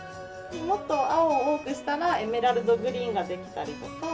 もっと青を多くしたらエメラルドグリーンができたりとか。